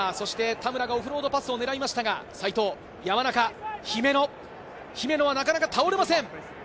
田村がオフロードパスを狙いましたが、姫野はなかなか倒れません。